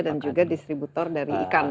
dan juga distributor dari ikan